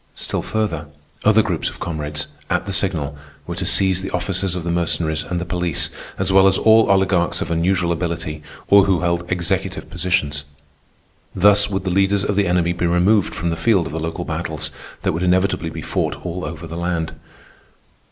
Still further, other groups of comrades, at the signal, were to seize the officers of the Mercenaries and the police, as well as all Oligarchs of unusual ability or who held executive positions. Thus would the leaders of the enemy be removed from the field of the local battles that would inevitably be fought all over the land.